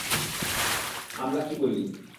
আমরা কি বলি?